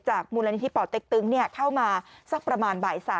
มูลนิธิป่อเต็กตึงเข้ามาสักประมาณบ่าย๓